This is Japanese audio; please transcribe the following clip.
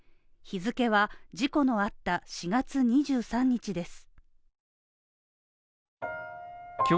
日付は事故のあった４月２３日です。